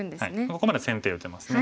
ここまで先手で打てますね。